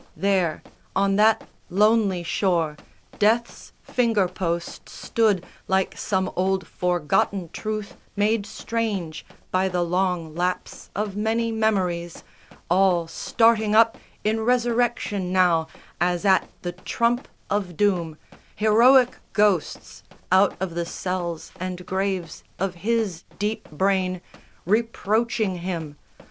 There, on that lonely shore, Death's finger post Stood like some old forgotten truth made strange By the long lapse of many memories, All starting up in resurrection now As at the trump of doom, heroic ghosts Out of the cells and graves of his deep brain Reproaching him.